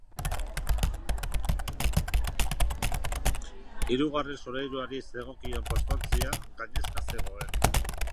Hirugarren solairuari zegokion postontzia gainezka zegoen.